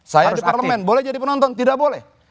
saya di parlemen boleh jadi penonton tidak boleh